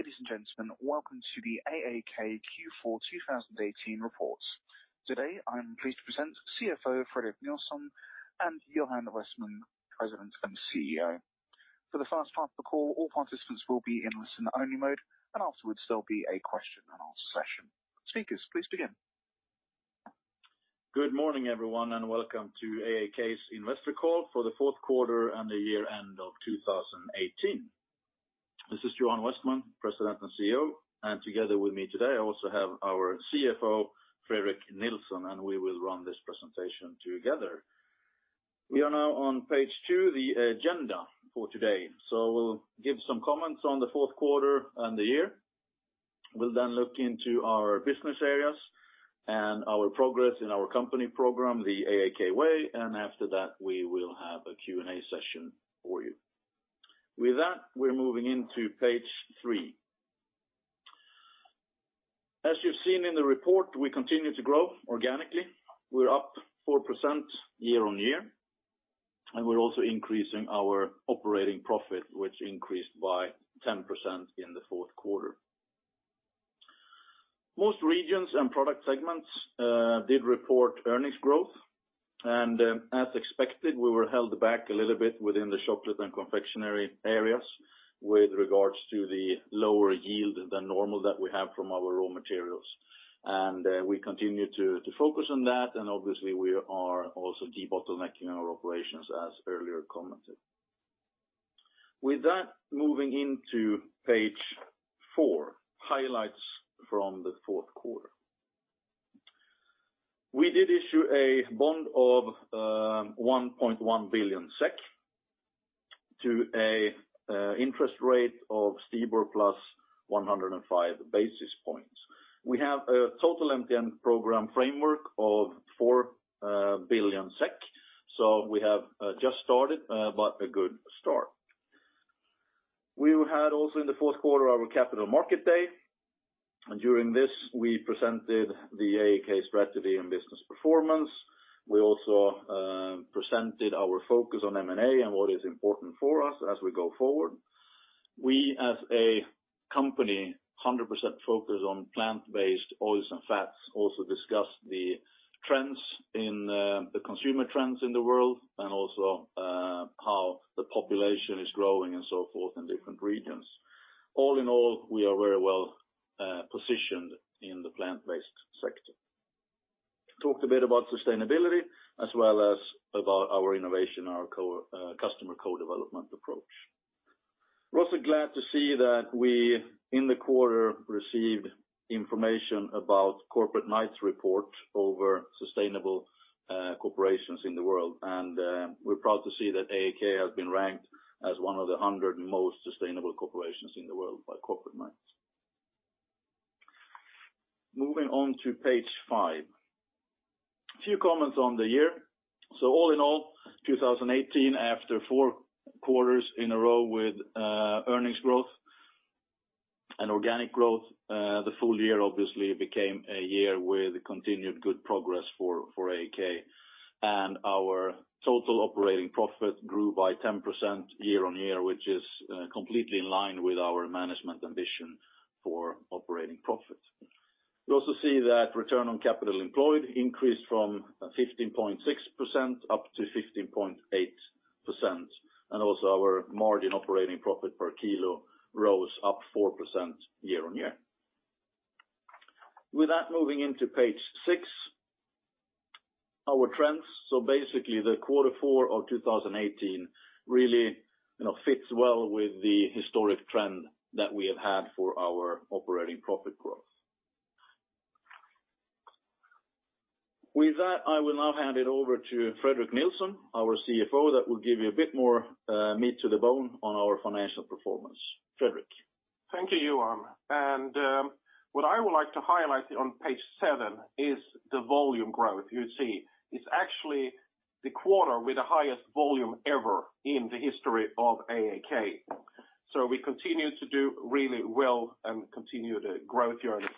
Ladies and gentlemen, welcome to the AAK Q4 2018 report. Today, I am pleased to present CFO Fredrik Nilsson and Johan Westman, President and CEO. For the first part of the call, all participants will be in listen-only mode, and afterwards there will be a question and answer session. Speakers, please begin. Good morning, everyone, and welcome to AAK's investor call for the fourth quarter and the year-end of 2018. This is Johan Westman, President and CEO, and together with me today, I also have our CFO, Fredrik Nilsson, and we will run this presentation together. We are now on page two, the agenda for today. We'll give some comments on the fourth quarter and the year. We'll look into our business areas and our progress in our company program, The AAK Way, and after that, we will have a Q&A session for you. With that, we're moving into page three. As you've seen in the report, we continue to grow organically. We're up 4% year-over-year, and we're also increasing our operating profit, which increased by 10% in the fourth quarter. Most regions and product segments did report earnings growth, and as expected, we were held back a little bit within the Chocolate & Confectionery areas with regards to the lower yield than normal that we have from our raw materials. We continue to focus on that, and obviously, we are also debottlenecking our operations as earlier commented. With that, moving into page four, highlights from the fourth quarter. We did issue a bond of 1.1 billion SEK to an interest rate of STIBOR + 105 basis points. We have a total MTN program framework of 4 billion SEK, we have just started, but a good start. We had also in the fourth quarter our Capital Markets Day, and during this, we presented the AAK strategy and business performance. We also presented our focus on M&A and what is important for us as we go forward. We, as a company 100% focused on plant-based oils and fats, also discussed the consumer trends in the world and also how the population is growing and so forth in different regions. All in all, we are very well positioned in the plant-based sector. Talked a bit about sustainability as well as about our innovation, our customer co-development approach. We're also glad to see that we, in the quarter, received information about Corporate Knights report over sustainable corporations in the world, and we're proud to see that AAK has been ranked as one of the 100 most sustainable corporations in the world by Corporate Knights. Moving on to page five. A few comments on the year. All in all, 2018, after four quarters in a row with earnings growth and organic growth, the full year obviously became a year with continued good progress for AAK. Our total operating profit grew by 10% year-on-year, which is completely in line with our management ambition for operating profit. You also see that return on capital employed increased from 15.6% up to 15.8%, and also our margin operating profit per kilo rose up 4% year-on-year. With that, moving into page six, our trends. Basically the quarter four of 2018 really fits well with the historic trend that we have had for our operating profit growth. With that, I will now hand it over to Fredrik Nilsson, our CFO, that will give you a bit more meat to the bone on our financial performance. Fredrik? Thank you, Johan. What I would like to highlight on page seven is the volume growth you see. It's actually the quarter with the highest volume ever in the history of AAK, so we continue to do really well and continue the growth journey.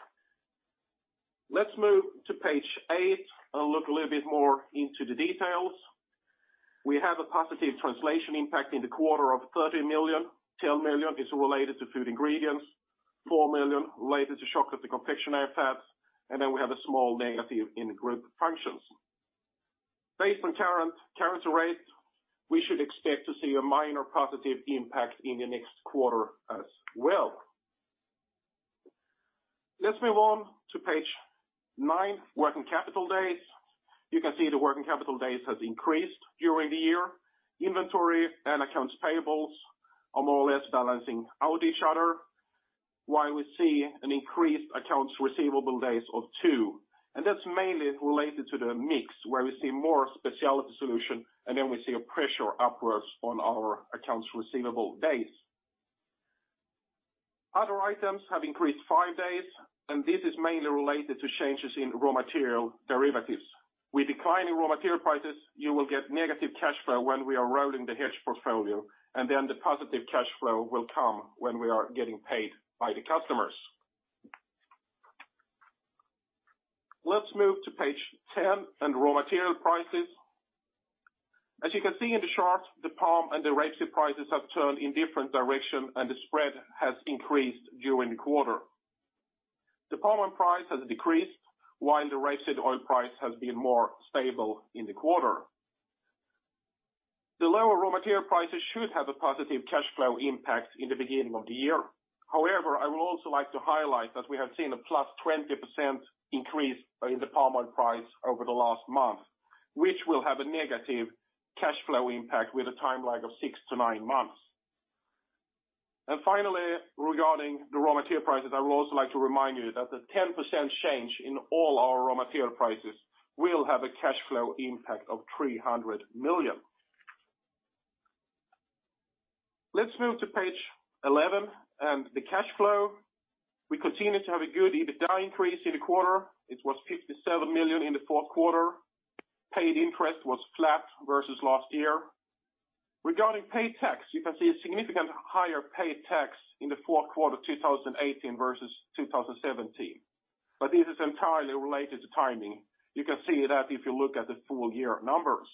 Let's move to page eight and look a little bit more into the details. We have a positive translation impact in the quarter of 30 million. 10 million is related to Food Ingredients, 4 million related to Chocolate & Confectionery Fats, and then we have a small negative in group functions. Based on current currency rates, we should expect to see a minor positive impact in the next quarter as well. Let's move on to page nine, working capital days. You can see the working capital days has increased during the year. Inventory and accounts payables are more or less balancing out each other, while we see an increased accounts receivable days of two, and that's mainly related to the mix, where we see more specialty solution, and then we see a pressure upwards on our accounts receivable days. Other items have increased five days, and this is mainly related to changes in raw material derivatives. With declining raw material prices, you will get negative cash flow when we are rolling the hedge portfolio, and then the positive cash flow will come when we are getting paid by the customers. Let's move to page 10 and raw material prices. As you can see in the chart, the palm and the rapeseed prices have turned in different direction, and the spread has increased during the quarter. The palm oil price has decreased, while the rapeseed oil price has been more stable in the quarter. The lower raw material prices should have a positive cash flow impact in the beginning of the year. However, I would also like to highlight that we have seen a +20% increase in the palm oil price over the last month, which will have a negative cash flow impact with a time lag of six to nine months. Finally, regarding the raw material prices, I would also like to remind you that a 10% change in all our raw material prices will have a cash flow impact of 300 million. Let's move to page 11 and the cash flow. We continue to have a good EBITDA increase in the quarter. It was 57 million in the fourth quarter. Paid interest was flat versus last year. Regarding paid tax, you can see a significant higher paid tax in the fourth quarter 2018 versus 2017. This is entirely related to timing. You can see that if you look at the full-year numbers.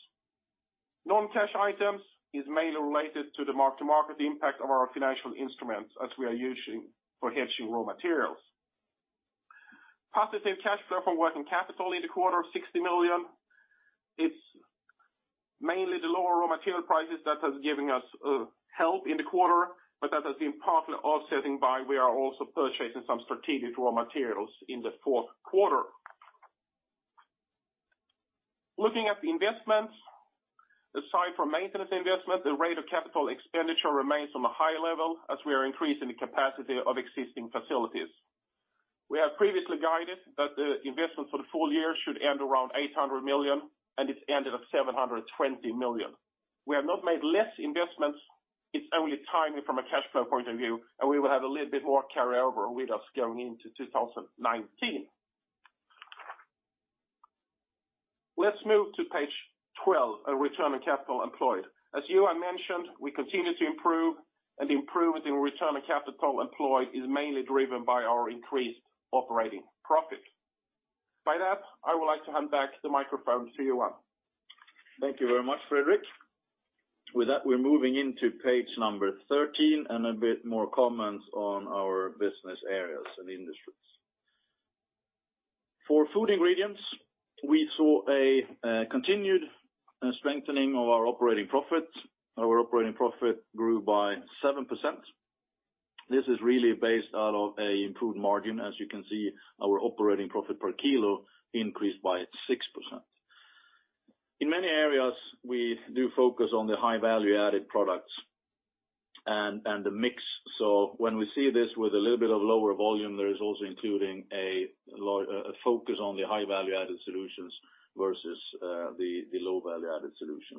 Non-cash items is mainly related to the mark to market impact of our financial instruments as we are using for hedging raw materials. Positive cash flow from working capital in the quarter of 60 million. It's mainly the lower raw material prices that has given us help in the quarter, but that has been partly offsetting by we are also purchasing some strategic raw materials in the fourth quarter. Looking at the investments, aside from maintenance investment, the rate of capital expenditure remains on a high level as we are increasing the capacity of existing facilities. We have previously guided that the investment for the full year should end around 800 million, and it ended at 720 million. We have not made less investments. It's only timing from a cash flow point of view, and we will have a little bit more carryover with us going into 2019. Let's move to page 12, return on capital employed. As Johan mentioned, we continue to improve, and improvement in return on capital employed is mainly driven by our increased operating profit. By that, I would like to hand back the microphone to Johan. Thank you very much, Fredrik. With that, we're moving into page number 13, and a bit more comments on our business areas and industries. For Food Ingredients, we saw a continued strengthening of our operating profit. Our operating profit grew by 7%. This is really based out of an improved margin. As you can see, our operating profit per kilo increased by 6%. In many areas, we do focus on the high-value added products and the mix. When we see this with a little bit of lower volume, there is also including a focus on the high-value added solutions versus the low-value added solution.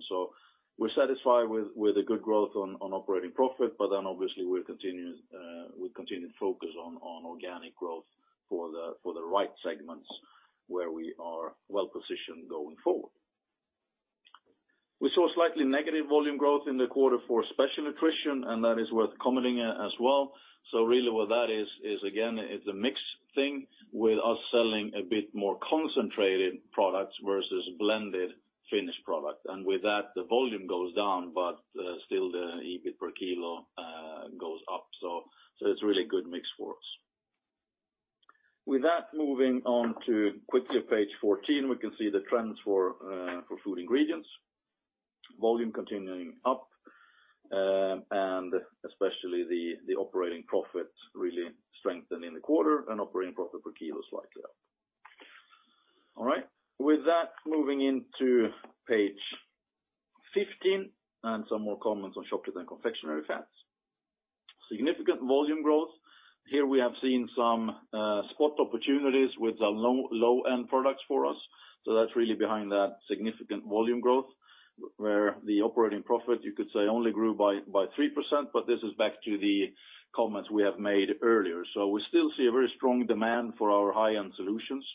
We're satisfied with the good growth on operating profit, but then obviously we continue to focus on organic growth for the right segments where we are well-positioned going forward. We saw slightly negative volume growth in the quarter for special nutrition, and that is worth commenting as well. Really what that is again a mix thing with us selling a bit more concentrated products versus blended finished product. With that, the volume goes down, but still the EBIT per kilo goes up. It's really good mix for us. With that, moving on to quickly page 14. We can see the trends for Food Ingredients. Volume continuing up, and especially the operating profit really strengthening the quarter and operating profit per kilo slightly up. All right. With that, moving into page 15 and some more comments on Chocolate & Confectionery Fats. Significant volume growth. Here we have seen some spot opportunities with the low-end products for us. That's really behind that significant volume growth where the operating profit, you could say, only grew by 3%. This is back to the comments we have made earlier. We still see a very strong demand for our high-end solutions.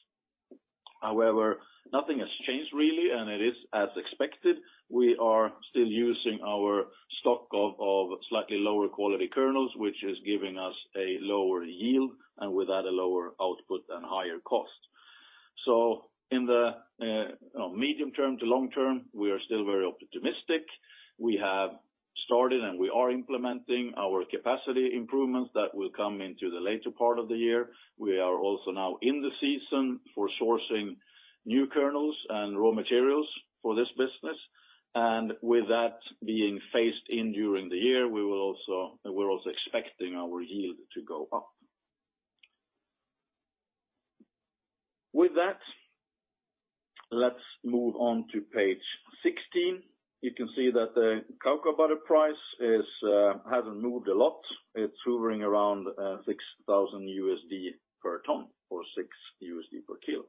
However, nothing has changed really, and it is as expected. We are still using our stock of slightly lower quality kernels, which is giving us a lower yield, and with that, a lower output and higher cost. In the medium term to long term, we are still very optimistic. We have started and we are implementing our capacity improvements that will come into the later part of the year. We are also now in the season for sourcing new kernels and raw materials for this business. With that being phased in during the year, we're also expecting our yield to go up. With that, let's move on to page 16. You can see that the cocoa butter price hasn't moved a lot. It's hovering around $6,000/ton or $6/kilo.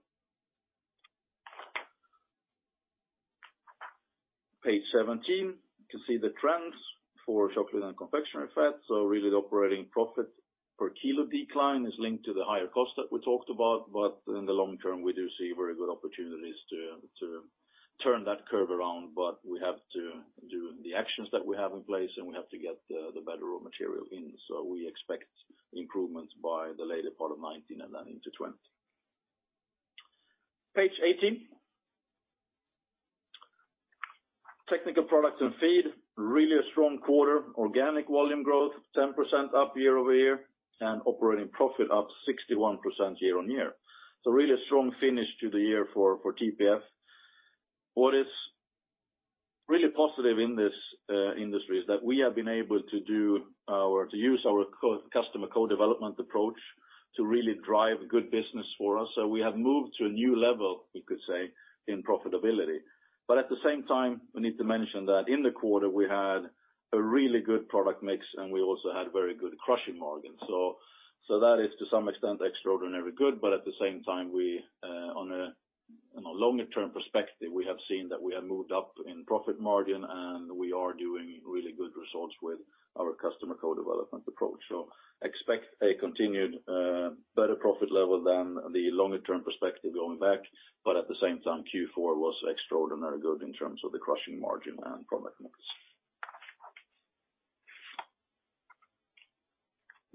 Page 17, you can see the trends for Chocolate & Confectionery Fats. Really the operating profit per kilo decline is linked to the higher cost that we talked about, in the long term, we do see very good opportunities to turn that curve around, we have to do the actions that we have in place, and we have to get the better raw material in. We expect improvements by the later part of 2019 and then into 2020. Page 18. Technical Products & Feed, really a strong quarter. Organic volume growth, 10% up year-over-year, and operating profit up 61% year-on-year. Really strong finish to the year for TPF. What is really positive in this industry is that we have been able to use our customer co-development approach to really drive good business for us. We have moved to a new level, you could say, in profitability. At the same time, we need to mention that in the quarter we had a really good product mix and we also had very good crushing margin. That is to some extent extraordinarily good, at the same time, on a longer-term perspective, we have seen that we have moved up in profit margin and we are doing really good results with our customer co-development approach. Expect a continued better profit level than the longer-term perspective going back. At the same time, Q4 was extraordinarily good in terms of the crushing margin and product mix.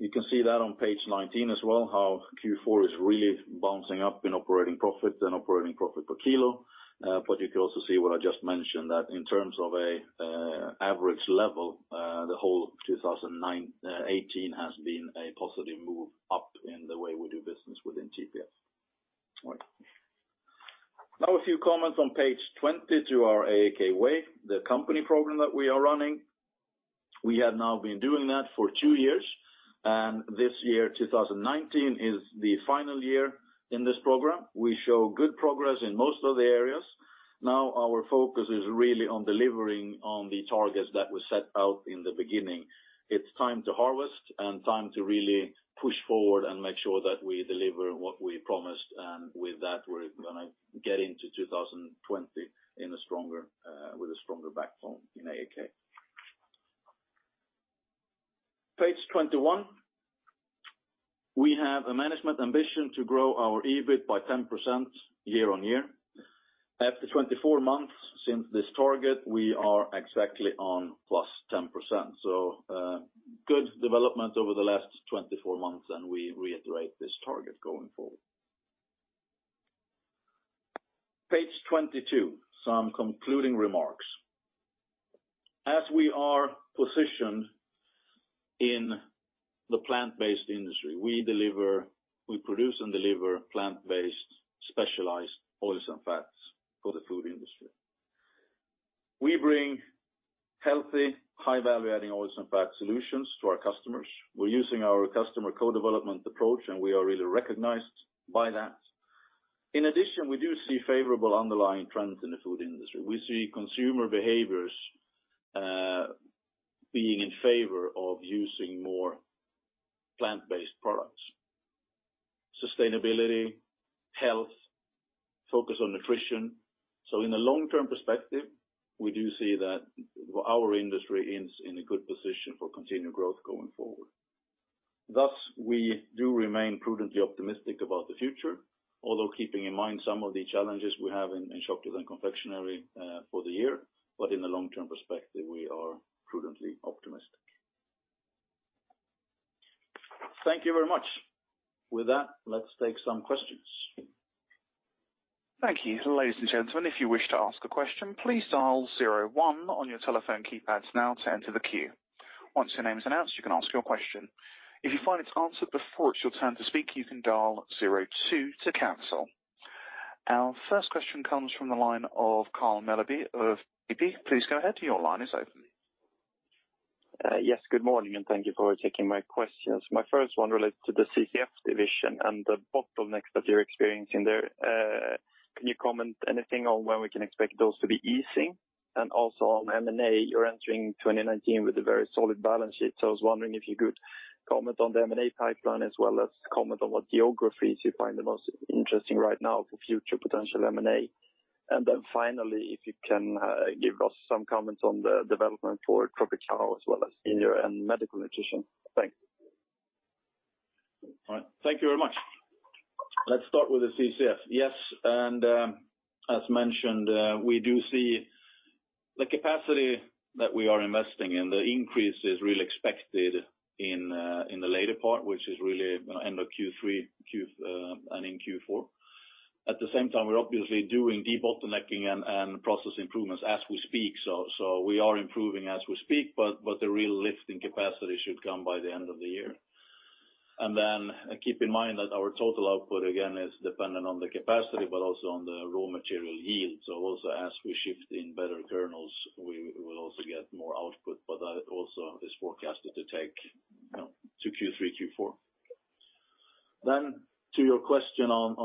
You can see that on page 19 as well, how Q4 is really bouncing up in operating profit and operating profit per kilo. You can also see what I just mentioned, that in terms of an average level, the whole 2018 has been a positive move up in the way we do business within TPF. A few comments on page 20 to our AAK Way, the company program that we are running. We have now been doing that for two years, and this year, 2019, is the final year in this program. We show good progress in most of the areas. Our focus is really on delivering on the targets that were set out in the beginning. It's time to harvest and time to really push forward and make sure that we deliver what we promised. With that, we're going to get into 2020 with a stronger backbone in AAK. Page 21. We have a management ambition to grow our EBIT by 10% year-on-year. After 24 months since this target, we are exactly on +10%. Good development over the last 24 months, we reiterate this target going forward. Page 22, some concluding remarks. As we are positioned in the plant-based industry, we produce and deliver plant-based specialized oils and fats for the food industry. We bring healthy, high-value adding oils and fat solutions to our customers. We're using our customer co-development approach, and we are really recognized by that. In addition, we do see favorable underlying trends in the food industry. We see consumer behaviors being in favor of using more plant-based products. Sustainability, health, focus on nutrition. In a long-term perspective, we do see that our industry is in a good position for continued growth going forward. Thus, we do remain prudently optimistic about the future, although keeping in mind some of the challenges we have in Chocolate & Confectionery for the year. In the long-term perspective, we are prudently optimistic. Thank you very much. With that, let's take some questions. Thank you. Ladies and gentlemen, if you wish to ask a question, please dial zero one on your telephone keypads now to enter the queue. Once your name is announced, you can ask your question. If you find it's answered before it's your turn to speak, you can dial zero two to cancel. Our first question comes from the line of Carl Mellerby of SEB. Please go ahead, your line is open. Yes, good morning. Thank you for taking my questions. My first one relates to the CCF division and the bottlenecks that you're experiencing there. Can you comment anything on when we can expect those to be easing? Also on M&A, you're entering 2019 with a very solid balance sheet. I was wondering if you could comment on the M&A pipeline as well as comment on what geographies you find the most interesting right now for future potential M&A. Finally, if you can give us some comments on the development for TROPICAO as well as senior and medical nutrition. Thanks. All right. Thank you very much. Let's start with the CCF. Yes, as mentioned, we do see the capacity that we are investing in. The increase is really expected in the later part, which is really end of Q3 and in Q4. At the same time, we're obviously doing debottlenecking and process improvements as we speak. We are improving as we speak, but the real lift in capacity should come by the end of the year. Keep in mind that our total output again is dependent on the capacity, but also on the raw material yield. As we shift in better kernels, we will also get more output, but that also is forecasted to take to Q3, Q4. To your question on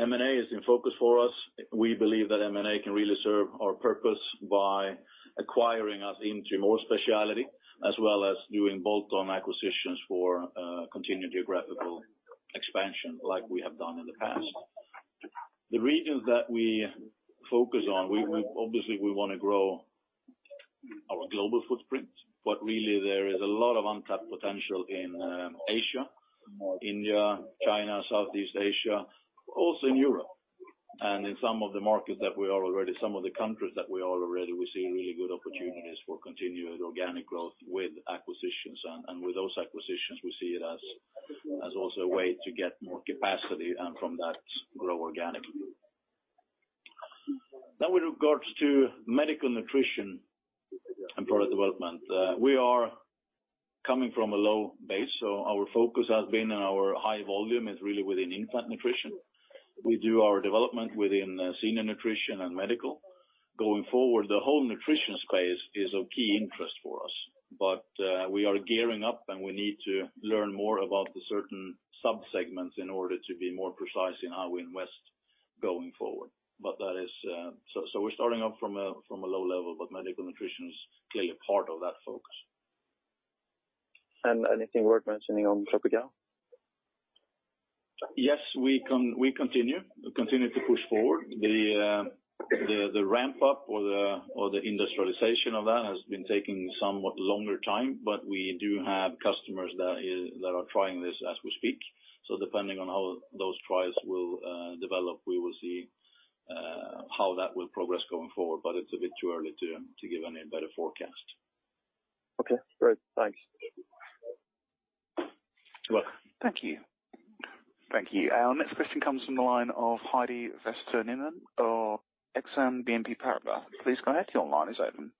M&A. M&A is in focus for us. We believe that M&A can really serve our purpose by acquiring us into more speciality as well as doing bolt-on acquisitions for continued geographical expansion like we have done in the past. The regions that we focus on, obviously we want to grow our global footprint, but really there is a lot of untapped potential in Asia, India, China, Southeast Asia, also in Europe. In some of the markets that we are already, some of the countries that we are already, we see really good opportunities for continued organic growth with acquisitions. With those acquisitions, we see it as also a way to get more capacity and from that grow organically. With regards to medical nutrition and product development, we are coming from a low base. Our focus has been on our high volume is really within infant nutrition. We do our development within senior nutrition and medical. Going forward, the whole nutrition space is of key interest for us, but we are gearing up, and we need to learn more about the certain sub-segments in order to be more precise in how we invest going forward. We're starting up from a low level, but medical nutrition is clearly part of that focus. Anything worth mentioning on TROPICAO? Yes, we continue to push forward. The ramp-up or the industrialization of that has been taking somewhat longer time, but we do have customers that are trying this as we speak. Depending on how those trials will develop, we will see how that will progress going forward, but it's a bit too early to give any better forecast. Okay, great. Thanks. You're welcome. Thank you. Our next question comes from the line of Heidi Vesterinen of Exane BNP Paribas. Please go ahead. Your line is open.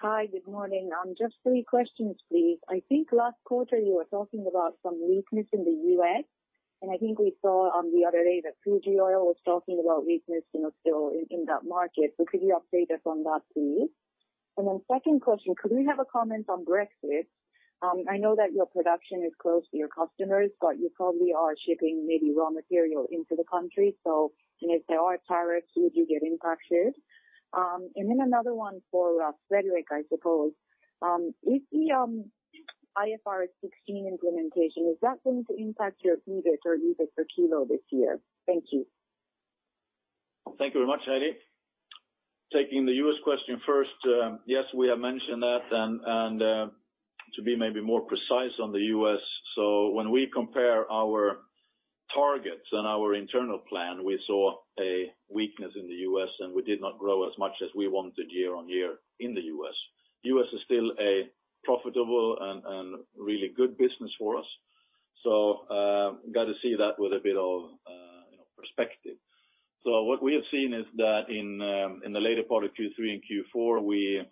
Hi, good morning. Just three questions, please. I think last quarter you were talking about some weakness in the U.S., and I think we saw on the other day that Fuji Oil was talking about weakness still in that market. Could you update us on that, please? Second question, could we have a comment on Brexit? I know that your production is close to your customers, but you probably are shipping maybe raw material into the country. If there are tariffs, would you get impacted? Another one for Fredrik, I suppose. With the IFRS 16 implementation, is that going to impact your EBIT or EBIT per kilo this year? Thank you. Thank you very much, Heidi. Taking the U.S. question first. Yes, we have mentioned that, to be maybe more precise on the U.S. When we compare our targets and our internal plan, we saw a weakness in the U.S., and we did not grow as much as we wanted year-over-year in the U.S. U.S. is still a profitable and really good business for us. Got to see that with a bit of perspective. What we have seen is that in the later part of Q3 and Q4,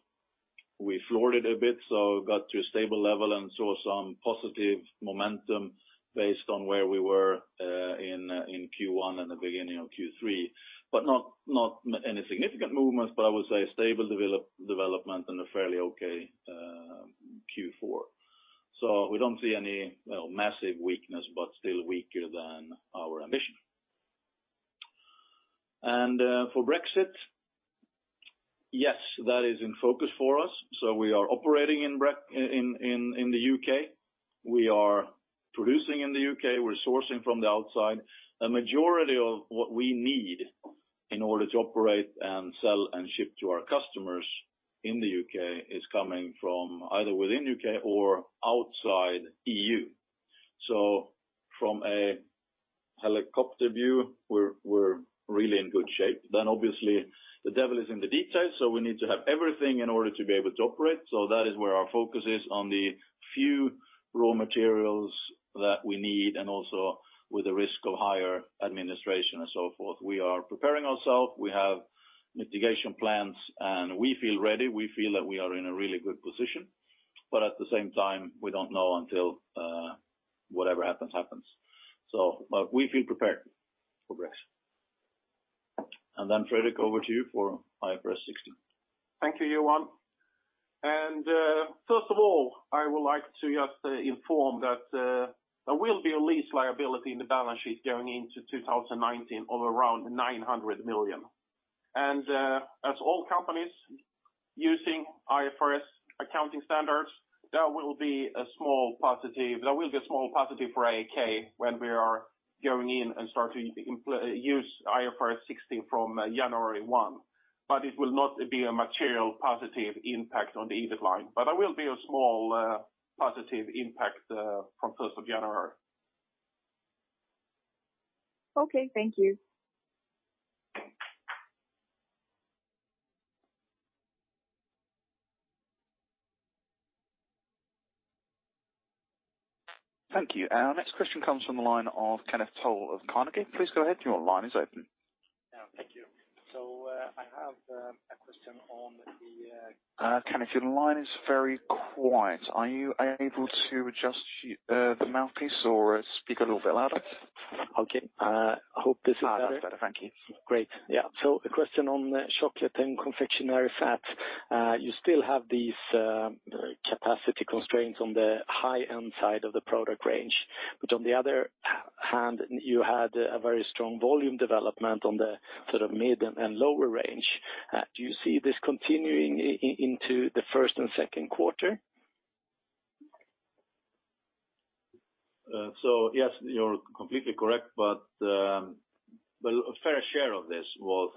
we floored it a bit. Got to a stable level and saw some positive momentum based on where we were in Q1 and the beginning of Q3. Not any significant movements, but I would say a stable development and a fairly okay Q4. We don't see any massive weakness, but still weaker than our ambition. For Brexit, yes, that is in focus for us. We are operating in the U.K. We are producing in the U.K. We're sourcing from the outside. The majority of what we need in order to operate and sell and ship to our customers in the U.K. is coming from either within U.K. or outside E.U. From a helicopter view, we're really in good shape. Obviously the devil is in the details, so we need to have everything in order to be able to operate. That is where our focus is on the few raw materials that we need and also with the risk of higher administration and so forth. We are preparing ourselves. We have mitigation plans, and we feel ready. We feel that we are in a really good position, but at the same time, we don't know until whatever happens. We feel prepared for Brexit. Fredrik, over to you for IFRS 16. Thank you, Johan. First of all, I would like to just inform that there will be a lease liability in the balance sheet going into 2019 of around 900 million. As all companies using IFRS accounting standards, there will be a small positive for AAK when we are going in and start to use IFRS 16 from January 1. It will not be a material positive impact on the EBIT line. There will be a small positive impact from 1st of January. Okay. Thank you. Thank you. Our next question comes from the line of Kenneth Toll of Carnegie. Please go ahead. Your line is open. Thank you. I have a question. Kenneth, your line is very quiet. Are you able to adjust the mouthpiece or speak a little bit louder? Okay. I hope this is better. That's better. Thank you. Great. Yeah. A question on Chocolate & Confectionery Fats. You still have these capacity constraints on the high-end side of the product range. On the other hand, you had a very strong volume development on the sort of mid and lower range. Do you see this continuing into the first and second quarter? Yes, you're completely correct. A fair share of this was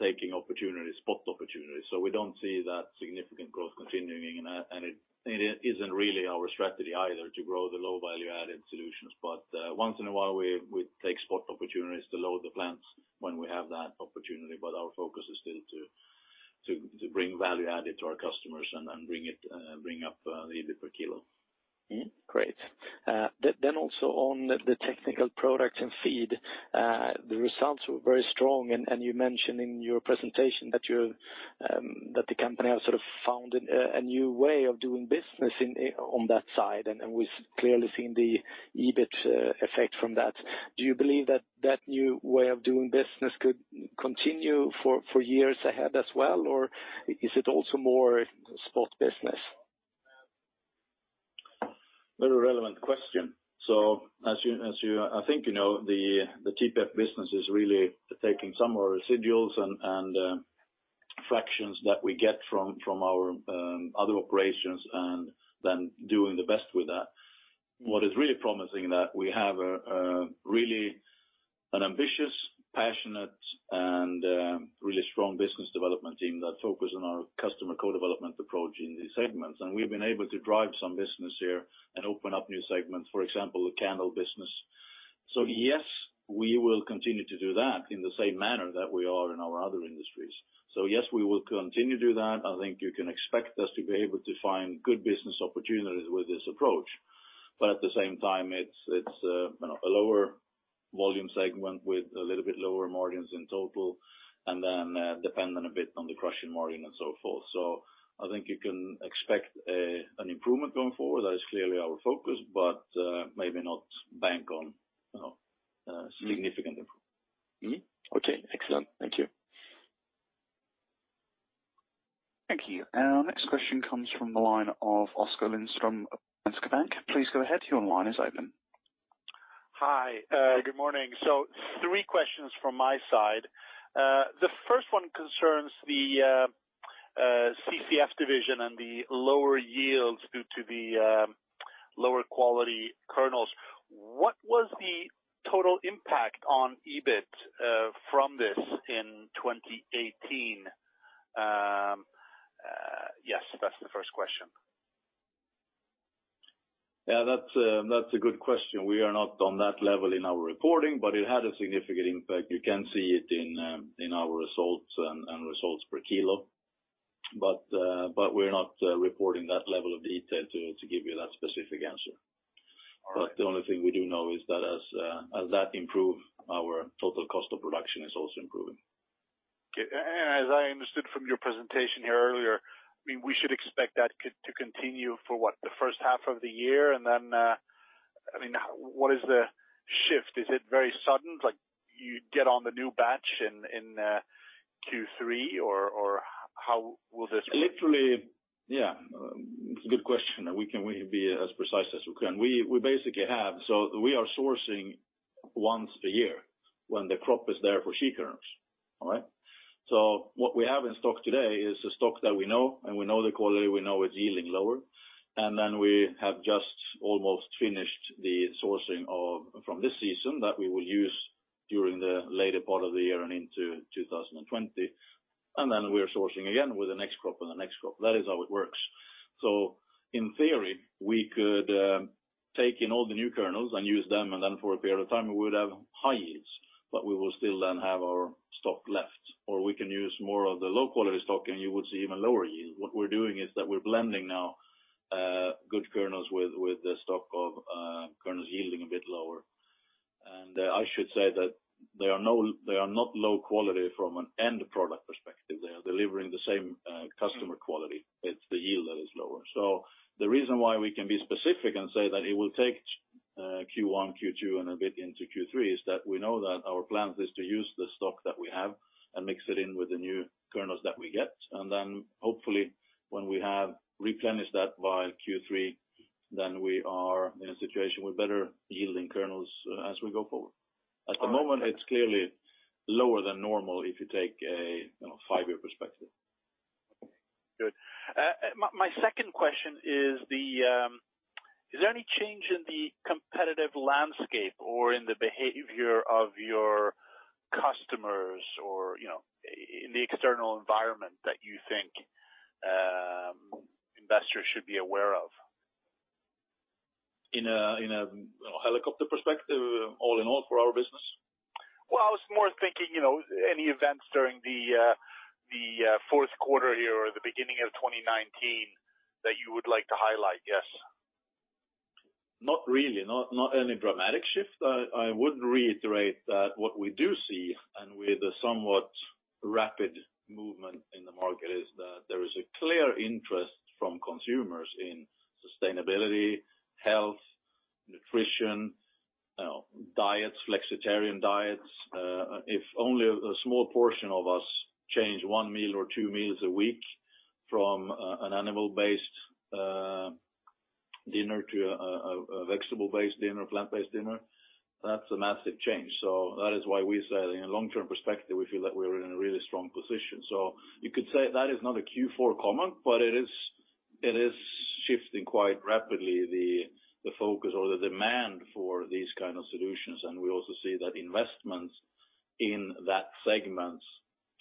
taking spot opportunities. We don't see that significant growth continuing, and it isn't really our strategy either to grow the low-value-added solutions. Once in a while, we take spot opportunities to load the plants when we have that opportunity. Our focus is still to bring value added to our customers and bring up the EBIT per kilo. Great. Also on the Technical Products & Feed, the results were very strong, and you mentioned in your presentation that the company has sort of found a new way of doing business on that side, and we've clearly seen the EBIT effect from that. Do you believe that that new way of doing business could continue for years ahead as well? Is it also more spot business? Very relevant question. As I think you know, the TPF business is really taking some of our residuals and fractions that we get from our other operations and then doing the best with that. What is really promising is that we have a really ambitious, passionate, and really strong business development team that focus on our customer co-development approach in these segments. We've been able to drive some business here and open up new segments, for example, the candle business. Yes, we will continue to do that in the same manner that we are in our other industries. Yes, we will continue to do that. I think you can expect us to be able to find good business opportunities with this approach. At the same time, it's a lower volume segment with a little bit lower margins in total, and dependent a bit on the crushing margin and so forth. I think you can expect an improvement going forward. That is clearly our focus, but maybe not bank on a significant improvement. Okay, excellent. Thank you. Thank you. Our next question comes from the line of Oskar Lindström from Danske Bank. Please go ahead, your line is open. Hi, good morning. Three questions from my side. The first one concerns the CCF division and the lower yields due to the lower-quality kernels. What was the total impact on EBIT from this in 2018? Yes, that's the first question. Yeah, that's a good question. We are not on that level in our reporting, it had a significant impact. You can see it in our results and results per kilo. We're not reporting that level of detail to give you that specific answer. All right. The only thing we do know is that as that improves, our total cost of production is also improving. Okay. As I understood from your presentation here earlier, we should expect that to continue for what, the first half of the year? What is the shift? Is it very sudden, like you get on the new batch in Q3? Or how will this? Literally, yeah, good question. We can be as precise as we can. We basically are sourcing once a year when the crop is there for shea kernels. All right? What we have in stock today is the stock that we know, and we know the quality, we know it's yielding lower. Then we have just almost finished the sourcing from this season that we will use during the later part of the year and into 2020. Then we're sourcing again with the next crop and the next crop. That is how it works. In theory, we could take in all the new kernels and use them, and then for a period of time, we would have high yields, but we will still then have our stock left. We can use more of the low-quality stock, you would see even lower yield. What we're doing is that we're blending now good kernels with the stock of kernels yielding a bit lower. I should say that they are not low quality from an end product perspective. They are delivering the same customer quality. It's the yield that is lower. The reason why we can be specific and say that it will take Q1, Q2, and a bit into Q3, is that we know that our plan is to use the stock that we have and mix it in with the new kernels that we get. Then hopefully, when we have replenished that by Q3, we are in a situation with better yielding kernels as we go forward. At the moment, it's clearly lower than normal if you take a five-year perspective. Okay, good. My second question is there any change in the competitive landscape or in the behavior of your customers or, in the external environment that you think investors should be aware of? In a helicopter perspective, all in all for our business? Well, I was more thinking, any events during the fourth quarter here or the beginning of 2019 that you would like to highlight, yes. Not really. Not any dramatic shift. I would reiterate that what we do see, and with a somewhat rapid movement in the market, is that there is a clear interest from consumers in sustainability, health, nutrition, diets, flexitarian diets. If only a small portion of us change one meal or two meals a week from an animal-based dinner to a plant-based dinner. That's a massive change. That is why we say in a long-term perspective, we feel that we're in a really strong position. You could say that is not a Q4 comment, but it is shifting quite rapidly, the focus or the demand for these kind of solutions. We also see that investments in that segment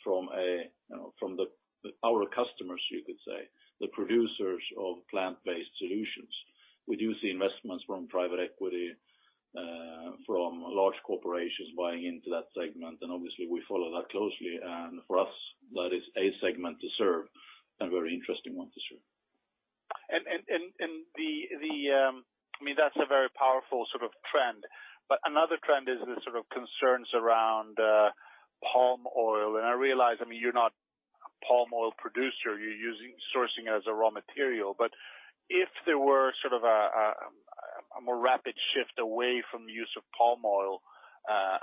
from our customers, you could say, the producers of plant-based solutions. We do see investments from private equity, from large corporations buying into that segment, and obviously we follow that closely. For us, that is a segment to serve and very interesting one to serve. That's a very powerful trend. Another trend is the concerns around palm oil. I realize, you're not a palm oil producer, you're using sourcing as a raw material. If there were a more rapid shift away from the use of palm oil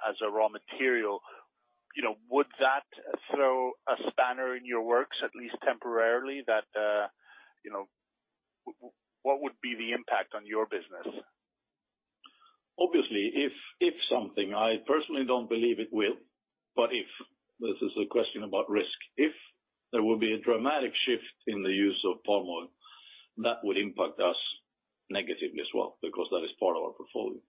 as a raw material, would that throw a spanner in your works, at least temporarily? What would be the impact on your business? Obviously, if something, I personally don't believe it will, but if, this is a question about risk. If there will be a dramatic shift in the use of palm oil, that would impact us negatively as well, because that is part of our portfolio.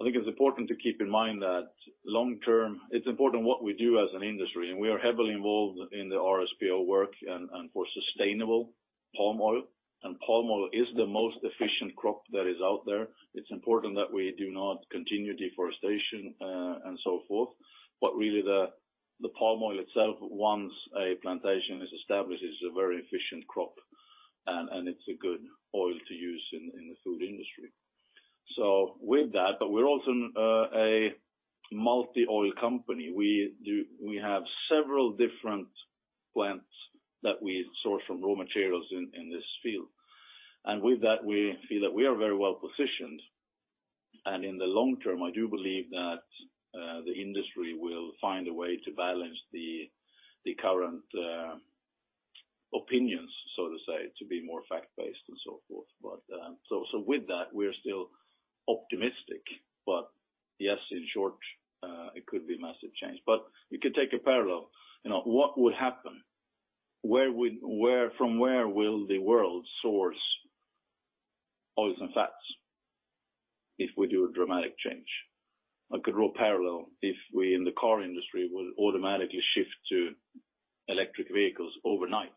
I think it's important to keep in mind that long term, it's important what we do as an industry, and we are heavily involved in the RSPO work and for sustainable palm oil. Palm oil is the most efficient crop that is out there. It's important that we do not continue deforestation, and so forth, but really the palm oil itself, once a plantation is established, is a very efficient crop, and it's a good oil to use in the food industry. With that, but we're also a multi-oil company. We have several different plants that we source from raw materials in this field. With that, we feel that we are very well-positioned. In the long term, I do believe that the industry will find a way to balance the current opinions, so to say, to be more fact-based and so forth. With that, we're still optimistic. Yes, in short, it could be a massive change. We could take a parallel, what would happen? From where will the world source oils and fats if we do a dramatic change? A good raw parallel, if we in the car industry would automatically shift to electric vehicles overnight,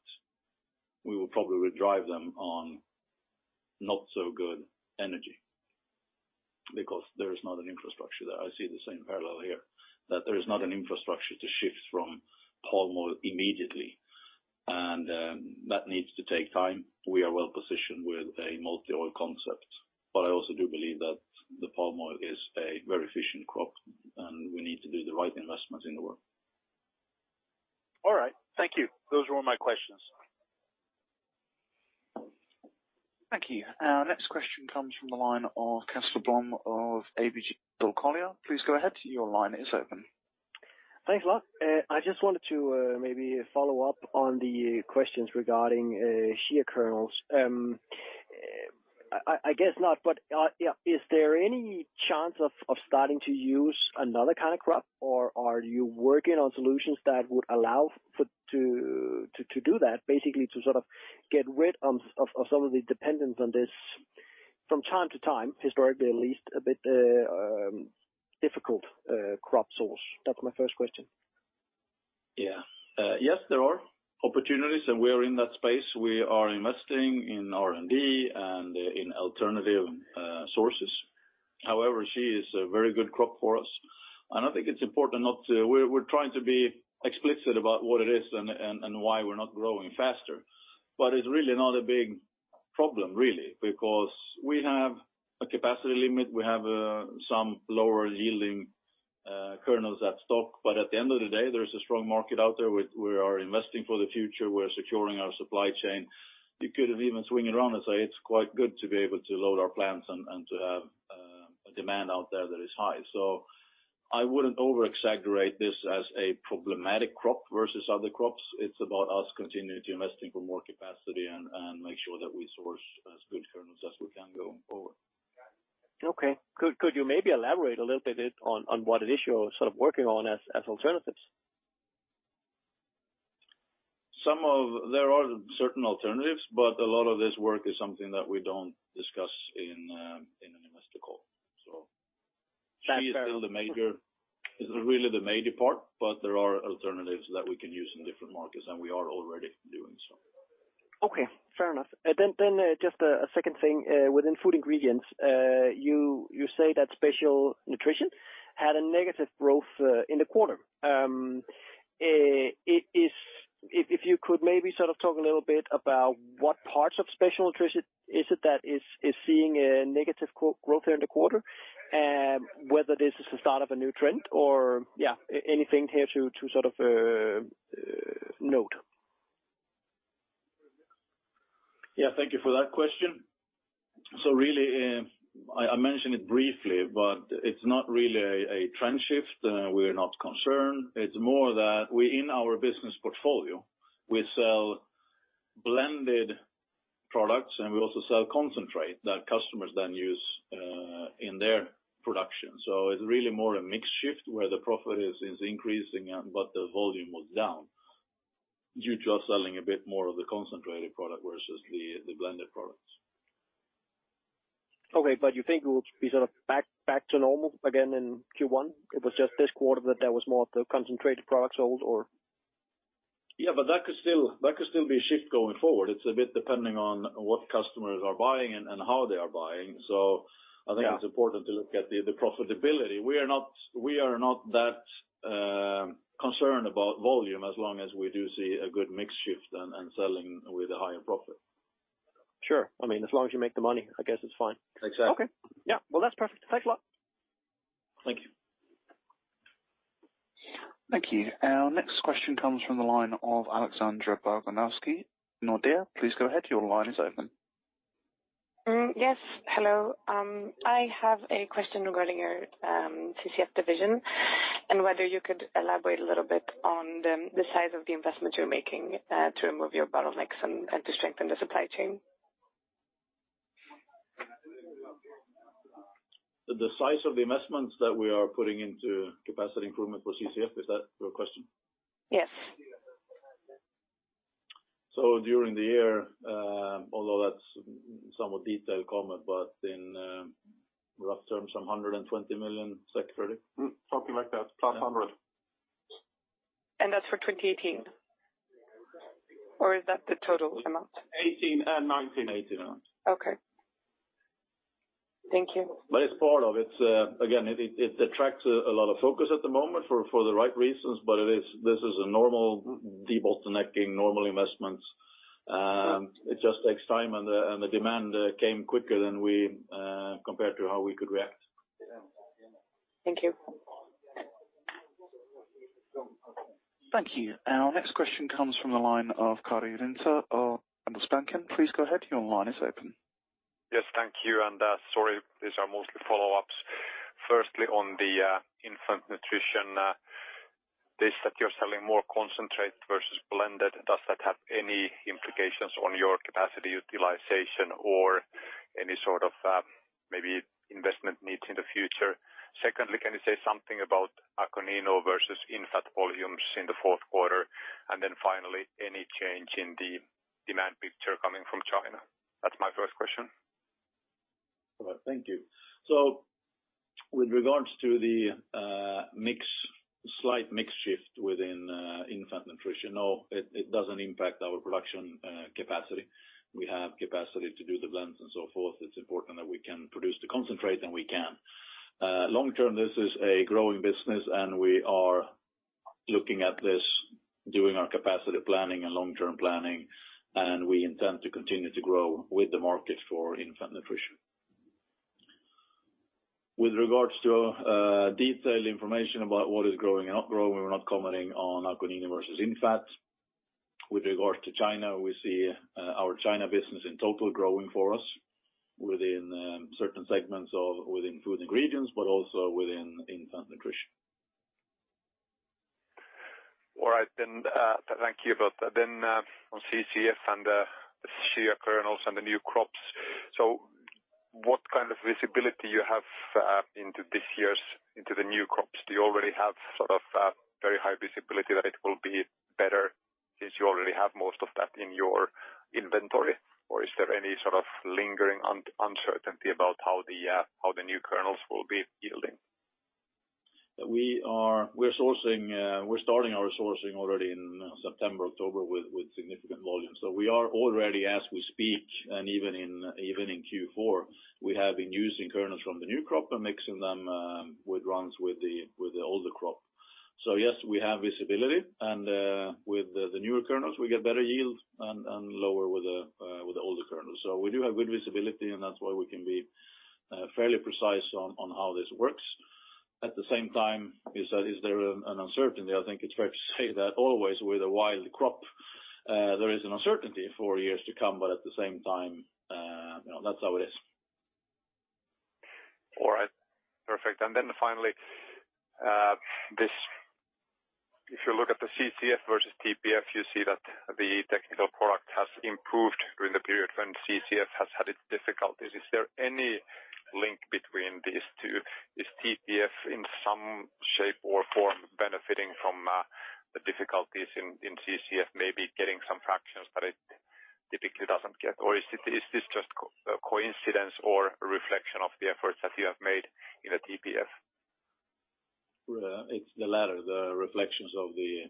we will probably drive them on not so good energy, because there is not an infrastructure there. I see the same parallel here, that there is not an infrastructure to shift from palm oil immediately, and that needs to take time. We are well-positioned with a multi-oil concept, I also do believe that the palm oil is a very efficient crop, and we need to do the right investments in the world. All right. Thank you. Those were all my questions. Thank you. Our next question comes from the line of Casper Blom of ABG Sundal Collier. Please go ahead. Your line is open. Thanks a lot. I just wanted to maybe follow up on the questions regarding shea kernels. I guess not, is there any chance of starting to use another kind of crop? Or are you working on solutions that would allow to do that? Basically to sort of get rid of some of the dependence on this from time to time, historically at least, a bit difficult crop source? That's my first question. Yes, there are opportunities, we are in that space. We are investing in R&D and in alternative sources. However, shea is a very good crop for us. I think it's important. We're trying to be explicit about what it is and why we're not growing faster. It's really not a big problem, really, because we have a capacity limit. We have some lower-yielding kernels at stock, at the end of the day, there's a strong market out there. We are investing for the future. We're securing our supply chain. You could have even swing it around and say it's quite good to be able to load our plants and to have a demand out there that is high. I wouldn't over-exaggerate this as a problematic crop versus other crops. It's about us continuing to investing for more capacity and make sure that we source as good kernels as we can going forward. Okay. Could you maybe elaborate a little bit on what it is you are working on as alternatives? There are certain alternatives, a lot of this work is something that we don't discuss in an investor call. Shea is really the major part, there are alternatives that we can use in different markets, and we are already doing so. Okay. Fair enough. Just a second thing, within Food Ingredients, you say that Special Nutrition had a negative growth in the quarter. If you could maybe talk a little bit about what parts of Special Nutrition is it that is seeing a negative growth there in the quarter, whether this is the start of a new trend or anything here to note? Yeah. Thank you for that question. Really, I mentioned it briefly, it's not really a trend shift. We're not concerned. It's more that in our business portfolio, we sell blended products, and we also sell concentrate that customers then use in their production. It's really more a mix shift where the profit is increasing, the volume was down due to us selling a bit more of the concentrated product versus the blended products. Okay, you think it will be back to normal again in Q1? It was just this quarter that there was more of the concentrated products sold or? That could still be a shift going forward. It's a bit depending on what customers are buying and how they are buying. I think it's important to look at the profitability. We are not that concerned about volume as long as we do see a good mix shift and selling with a higher profit. Sure. As long as you make the money, I guess it's fine. Exactly. Okay. Yeah. Well, that's perfect. Thanks a lot. Thank you. Thank you. Our next question comes from the line of Alexandra Barganowski, Nordea. Please go ahead. Your line is open. Yes, hello. I have a question regarding your CCF division and whether you could elaborate a little bit on the size of the investment you're making to remove your bottlenecks and to strengthen the supply chain? The size of the investments that we are putting into capacity improvement for CCF, is that your question? Yes. During the year, although that's somewhat detailed comment, but in rough terms some 120 million, Fredrik? Something like that. +100. That's for 2018? Or is that the total amount? 2018 and 2019 amount. Okay. Thank you. It's part of it. Again, it attracts a lot of focus at the moment for the right reasons, but this is a normal debottlenecking, normal investments. It just takes time, and the demand came quicker than compared to how we could react. Thank you. Thank you. Our next question comes from the line of Karri Rinta of Handelsbanken. Please go ahead. Your line is open. Yes, thank you, sorry, these are mostly follow-ups. Firstly, on the infant nutrition, this that you're selling more concentrate versus blended, does that have any implications on your capacity utilization or any sort of maybe investment needs in the future? Secondly, can you say something about Akonino versus INFAT volumes in the fourth quarter? Finally, any change in the demand picture coming from China? That's my first question. All right. Thank you. With regards to the slight mix shift within infant nutrition, no, it doesn't impact our production capacity. We have capacity to do the blends and so forth. It's important that we can produce the concentrate, and we can. Long term, this is a growing business, and we are looking at this, doing our capacity planning and long-term planning, and we intend to continue to grow with the market for infant nutrition. With regards to detailed information about what is growing and not growing, we're not commenting on Akonino versus INFAT. With regards to China, we see our China business in total growing for us within certain segments of within Food Ingredients, but also within infant nutrition. All right. Thank you about that. On CCF and the shea kernels and the new crops. What kind of visibility you have into this year's, into the new crops? Do you already have very high visibility that it will be better since you already have most of that in your inventory? Or is there any sort of lingering uncertainty about how the new kernels will be yielding? We're starting our sourcing already in September, October with significant volumes. We are already, as we speak, and even in Q4, we have been using kernels from the new crop and mixing them with runs with the older crop. Yes, we have visibility, and with the newer kernels, we get better yield and lower with the older kernels. We do have good visibility, and that's why we can be fairly precise on how this works. At the same time, is there an uncertainty? I think it's fair to say that always with a wild crop, there is an uncertainty for years to come, but at the same time, that's how it is. All right. Perfect. Finally, if you look at the CCF versus TPF, you see that the technical product has improved during the period when CCF has had its difficulties. Is there any link between these two? Is TPF in some shape or form benefiting from the difficulties in CCF, maybe getting some fractions that it typically doesn't get? Or is this just a coincidence or a reflection of the efforts that you have made in the TPF? It's the latter, the reflections of the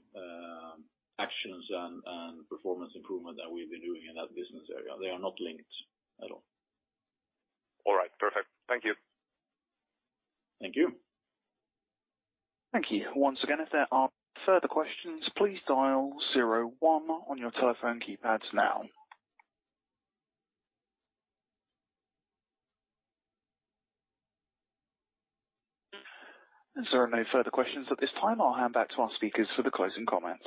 actions and performance improvement that we've been doing in that business area. They are not linked at all. All right. Perfect. Thank you. Thank you. Thank you. Once again, if there are further questions, please dial zero one on your telephone keypads now. As there are no further questions at this time, I'll hand back to our speakers for the closing comments.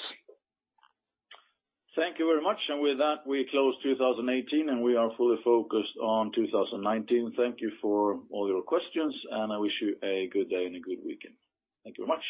Thank you very much. With that, we close 2018, and we are fully focused on 2019. Thank you for all your questions, and I wish you a good day and a good weekend. Thank you very much.